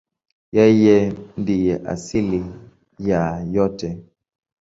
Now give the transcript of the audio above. Yeye ndiye asili ya yote.